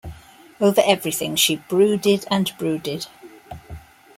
Over everything she brooded and brooded.